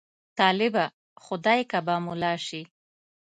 طالبه! خدای که به ملا شې.